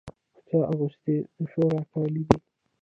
کوڅو اغوستي د شور کالي دی